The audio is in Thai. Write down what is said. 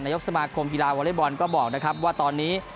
นายกลุ่มสมาคมธีราบริวอลบอลก็บอกนะครับว่าตอนนี้